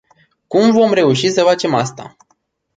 Cum vom reuși să facem asta?